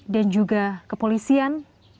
dan juga kepolisian